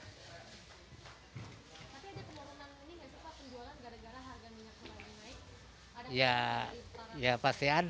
tapi ada kemurahan ini gak suka penjualan gara gara harga minyak goreng naik